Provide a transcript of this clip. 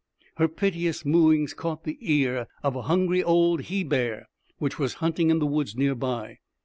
Her piteous mooings caught the ear of a hungry old he bear which was hunting in the woods near by.